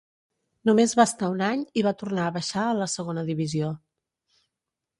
Només va estar un any i va tornar a baixar a la Segona Divisió.